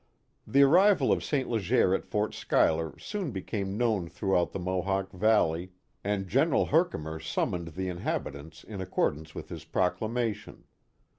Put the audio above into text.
The arrival of St. Leger at Fort Schuyler soon became known throughout the Mohawk Valley, and General Herki Oriskany 4^7 mer summoned the inhabitants in accordance with his pro clamation.